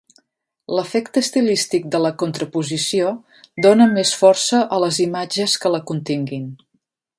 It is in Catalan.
L'efecte estilístic de la contraposició dóna més força a les imatges que la continguin.